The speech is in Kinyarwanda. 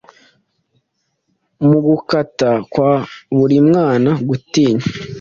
Mu gutaka kwa buri mwana gutinya,